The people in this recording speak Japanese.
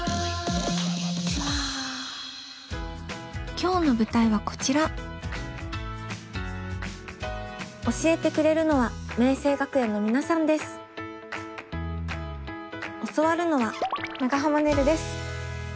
今日の舞台はこちら教えてくれるのは教わるのは長濱ねるです。